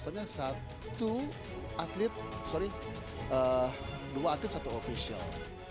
maksudnya satu atlet sorry dua atlet satu ofisial